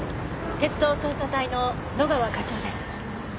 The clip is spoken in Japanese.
鉄道捜査隊の野川課長です。